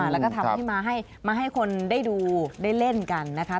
แล้วก็ทำให้มาให้คนได้ดูได้เล่นกันนะคะ